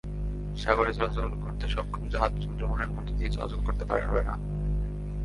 সাগরে চলাচল করতে সক্ষম জাহাজ সুন্দরবনের মধ্য দিয়ে চলাচল করতে পারবে না।